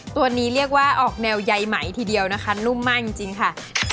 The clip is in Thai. ตัวนี้เรียกว่าออกแนวใยไหมทีเดียวนะคะนุ่มมากจริงค่ะ